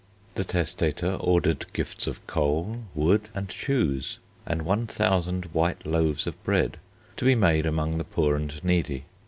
The testator ordered gifts of coal, wood, and shoes, and 1000 white loaves of bread, to be made among the poor and needy.